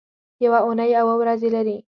یوه اونۍ اووه ورځې لري